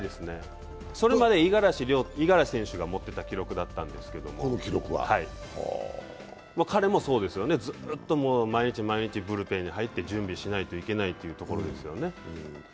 それまで五十嵐亮太が持ってた記録だったんですけど彼もそうですよね、ずっと毎日毎日ブルペンに入って準備しないといけないというところですよね。